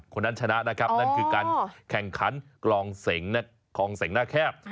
คนนั้นชนะนะครับนั่นคือการแข่งขันกลองเสงหน้าแคบ